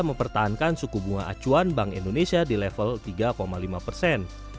mempertahankan suku bunga acuan bank indonesia di level tiga lima persen